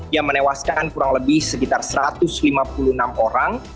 yang menewaskan kurang lebih sekitar satu ratus lima puluh enam orang